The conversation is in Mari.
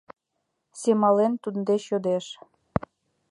Семален, туддеч йодеш: